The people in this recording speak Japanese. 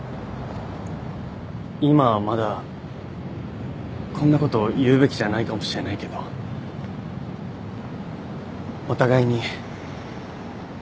今はまだこんなこと言うべきじゃないかもしれないけどお互いに。